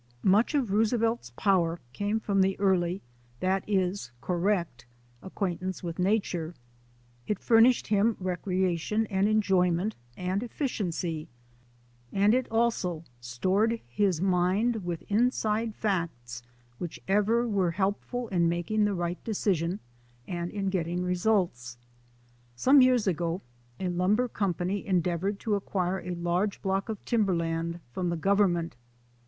Much of Roosevelt's power came from early— that is, correct — acquaintance with nature; it fur nished him recreation and enjoyment and effi ciency; and it also stored his mind with inside facts which ever were helpful in making the right deci sion and in getting results. 226 THE ADVENTURES OF A NATURE GUIDE Some years ago a lumber company endeavoured to acquire a large block of timberland from the Government.